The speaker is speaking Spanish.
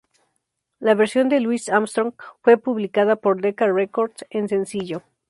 La versión de Louis Armstrong fue publicada por Decca Records en sencillo.